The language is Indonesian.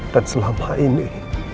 dan selama ini